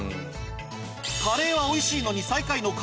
カレーはおいしいのに何なのか！？